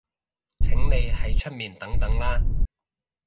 請你喺出面等等啦